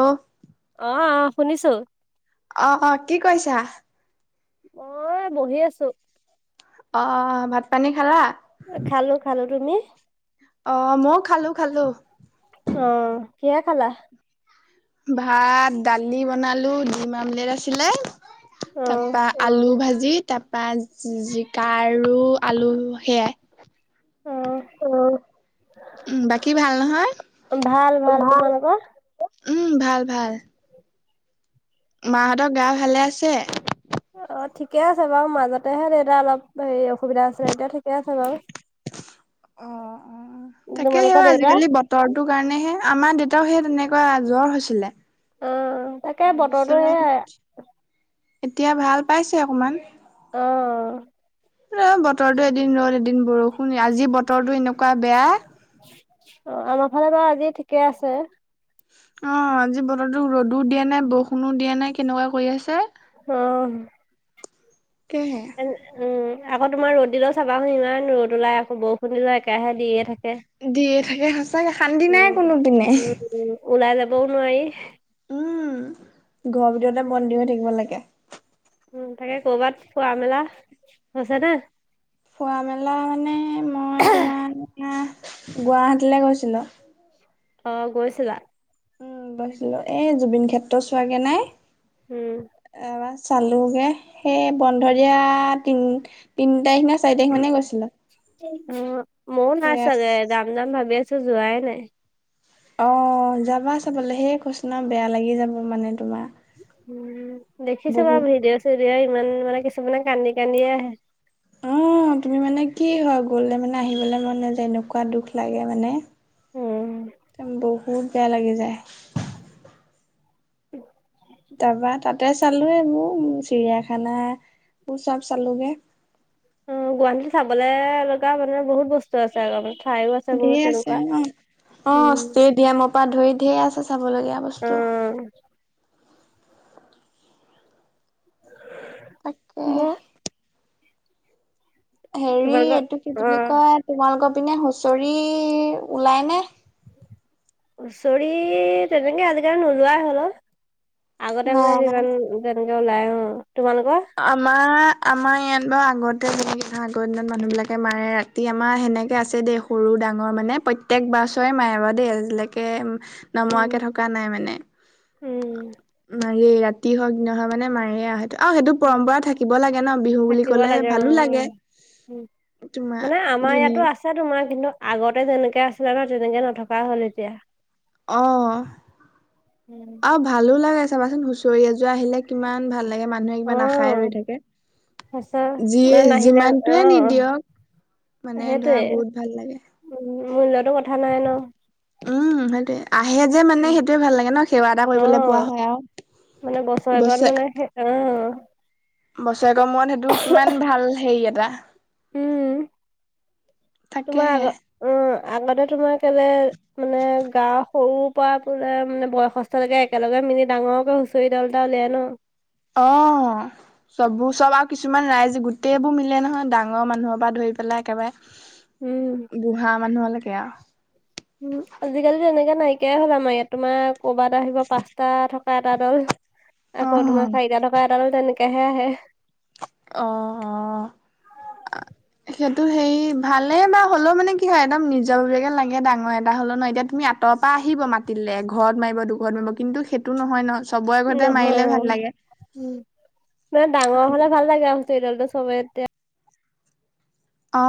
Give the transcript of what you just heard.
Off অ অ শুনিছো। অ অ কি কৰিছা? মই বহি আছো। অ ভাত পানী খালা? খালো খালো তুমি। অ মই খালো খালো। অ কিহেৰে খালা? ভাত দালি বনালো দিম আমলেট আছিলে, অ', তাৰপা- আলু ভাজি তাৰপৰা জিকা আৰু আলু সেয়াই- অ উম বাকী ভাল নহয়? ভাল ভাল। তোমালোকৰ? উম ভাল ভাল। মাহঁতৰ গা ভালে আছে। অ ঠিকে আছে বাৰু মাজতেহে দেউতা অলপ হেৰি অসুবিধা আছিলে এতিয়া ঠিকে আছে বাৰু অ অ তাকে তোমালোকৰ সেই দেউতা? আজিকালি- তৰটোৰ কাৰণেহে আমাৰ দেউতাও সে তেনেকুৱা জ্বৰ হৈছিলে। অ', তাকে বতৰটো তাৰপিছত সেয়াই- এতিয়া ভাল পাইছে অকমান। অঁ এ বতৰটো এদিন ৰ'দ এদিন বৰষুণ আজি বতৰটো এনেকুৱা বেয়া। অ আমাৰ ফালে বাৰু আজি ঠিকে আছে। অঁ আজি বতৰটোক ৰ'দো দিয়া নাই বৰষুণো দিয়া নাই কেনেকুৱা কৰি আছে। অঁ তাকেহে উম আকৌ তোমাৰ ৰ'দ দিলেও চাবা চোন ইমান ৰ'দ ওলাই আকৌ বৰষুণ দিলো একেৰাহে দিয়ে থাকে। দিয়ে থাকে সঁচাকে, শান্তি নাই উম। কোনোদিনে উম, উম, ওলাই যাবও নোৱাৰি। উম ঘৰৰ ভিতৰতে উম। বন্দী হৈ থাকিব লাগে। উম তাকে কৰ'বাত, ফোৱা মেলা হৈছে নে। ফোৱা মেলা মানে মই তোমাৰ গুৱাহাটীলৈ গৈছিলোঁ। অঁ গৈছিলা। উম গৈছিলো এই জুবিন ক্ষেত্ৰ চোৱাগে নাই। উম এবাৰ চালোগে, সেই বন্ধ দিয়া য়া তিন- তিন তাৰিখ নে চাৰি তাৰিখ মানে গৈছিলো। উম ময়ো নাই চাগে সেয়া যাম যাম ভাবি আছো যোৱাই নাই। অঁ যাবা চাবলৈ সেই কৈছো ন বেয়া লাগি যাব মানে তোমাৰ। উম দেখিছো বহুত বাৰু ভিডিঅ' চিডিঅ' ইমান মানে কিছুমানে কান্দি কান্দিয়ে আহে। অঁ তুমি মানে কি হয় গলে মানে আহিবলৈ মন নাযায় এনেকুৱা দুখ লাগে মানে। উম বহুত বেয়া লাগি যায়। উম। তাৰপা তাতে চালো এইবোৰ চিৰিয়াখানা বোৰ চব চালোগে। উম, গুৱাহাটীত চাবলে লগা মানে বহুত বস্তু আছে আৰু ঠাইও আছে। বহুত ধেইৰ আছে তেনেকুৱা ন অ উম ষ্টেডিয়ামৰ পৰা ধৰি ধেইৰ আছে চাবলগীয়া অ বস্তু। তাকে। মোৰ হেৰি তোমালোকৰ এইটো কি অ বুলি কয় তোমালোকৰ পিনে হুচৰি ওলাই নে। হুঁচৰি তেনেকে আজিকালি নোলোৱাই হল ও, আগতে নাই মানে নাই যিমান। যেনেকে ওলাই উম, তোমালোকৰ। আমাৰ আমাৰ ইয়াত বাৰু আগতে বয় আগৰ দিনত মানুহ বিলাকে মাৰে ৰা। ৰাতি আমাৰ সেনেকৈ আছে দেই সৰু ডাঙৰ মানে প্ৰত্যেক বাছৰে মায় বা দেই আজিলৈকে। উম নমোৱাকে থকা নাই মানে। উম ম ৰাতি হওক দি নহ মানে মাৰ আহ আৰু সেইটো, উম পৰম্পৰা থাকিব লাগে ন বিহু বুলি কলে ভালো লাগে। উম তোমাৰ মানে আমাৰ ধুনীয়া ইয়াতো আছে। আছে তোমাৰ কিন্তু আগতে যেনেকে আছিলে ন তেনেকে নথকা হ'ল এতিয়া। অ, আৰু ভালো লাগে চাবাচোন। চৰি এজোৰা আহিলে কিমান ভাল লাগে মানুহে অ কিবা নাখাই ৰৈ থাকে। সঁচা যিয়ে মানে নাহিলে অ যিমানটোৱে নিদিয়ক মানে ধৰা বহুত ভাল লাগে। উ মূল্যতো কথা নাই ন। উম সেই টোএ। আহে যে মানে উম সেইটোয়ে ভাল লাগে ন সেৱা এটা অ কৰিবলৈ পোৱা হয় আৰু, মানে বছৰেকত বছে মানে সেই অ, বছৰেকৰ মূৰত সেইটো কিমান ভাল হেৰি এটা। উম, তোমাৰ তাকেহে আগ উম আগতে তোমাৰ কেলে মানে গাঁৱৰ সৰুৰ পৰা বো মানে বয়সস্থলৈকে একেলগে মিলি ডাঙৰকে হৈছে। চৈডালডওলে আয় ন। অ। চবো চব আৰু কিছুমান ৰাইজ গোটেইবোৰ মিলে নহয় ডাঙৰ মানুহৰ পৰা ধৰি পেলাই উম একেবাৰে। বুঢ়া মানুহলৈকে আৰু উম আজিকালিটো এনেকে নাইকিয়াই হ'ল আমাৰ ইয়াত তোমাৰ ক'ৰবাত এটা আহিব পাঁচটা থকা, এটা দল, অ আকৌ তোমাৰ চাৰিটা থকা এটা দল, তেনেকাহে আহে। অহ অহ আ। সেইটো হেৰি ভালে বা হ'লেও মানে কি হয় একদম নিজৰাবেগে লাগে ডাঙৰ এটা হ'লেও ন এতিয়া তুমি। তৰ পৰা আহিব মাতিলে ঘৰত মাৰিব দুখৰত মাৰিব কিন্তু সেইটো নহয় ন। চবৰে ঘৰতে মাৰিলে নহয় অ ভাল লাগে উ মানে ডাঙৰ হলে ভাল লাগে আৰু হুচৰিডলটো চবে এতিয়া। অ।